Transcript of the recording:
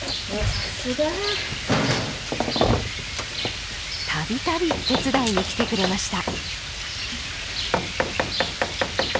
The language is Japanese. さすがたびたび手伝いに来てくれました